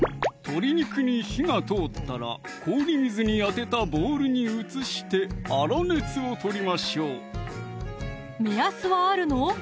鶏肉に火が通ったら氷水に当てたボウルに移して粗熱を取りましょう目安はあるの？